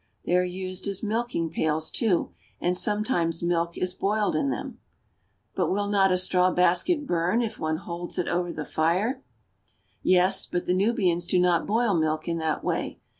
They are used as milking pails, too, and some mes milk is boiled in them, f But will not a straw basket burn if one holds it over the w ^^H Yes, but the Nubians do not boil milk in that way.